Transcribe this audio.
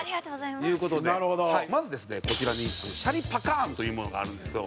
ユウキロック：まずですねこちらにシャリパカーンというものがあるんですけど。